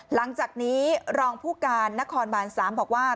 หลังจากนี้รองผู้การนครบาน๓บอกว่า